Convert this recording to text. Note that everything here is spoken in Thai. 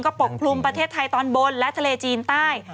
ปกคลุมประเทศไทยตอนบนและทะเลจีนใต้